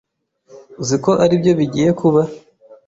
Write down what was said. Uzi ko aribyo bigiye kuba.